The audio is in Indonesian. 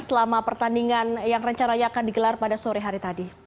selama pertandingan yang rencananya akan digelar pada sore hari tadi